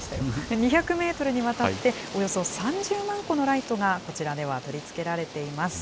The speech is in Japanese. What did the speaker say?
２００メートルにわたって、およそ３０万個のライトがこちらでは、取り付けられています。